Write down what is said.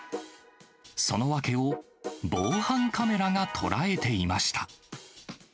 その訳を防犯カメラが捉えていました。